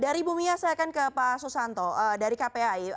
dari bumia saya akan ke pak susanto dari kpai